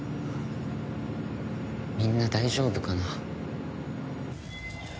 みんな大丈夫かな。